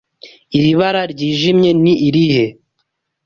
Iri bara ryijimye ni irihe?